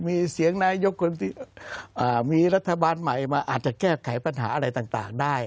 มีเสียงนายกมีรัฐบาลใหม่มาอาจจะแก้ไขปัญหาอะไรต่างได้